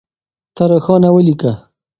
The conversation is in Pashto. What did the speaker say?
ته روښانه وليکه.